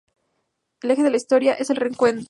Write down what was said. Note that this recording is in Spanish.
El eje de la historia es el reencuentro.